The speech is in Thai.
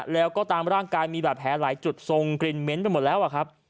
แล้วก็ตามร่างกายมีบาดแผลหลายจุดทรงกลิ่นเหม็นไปหมดแล้วอะครับ